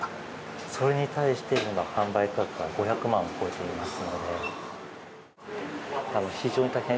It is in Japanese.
それに対して販売価格が５００万円を超えています。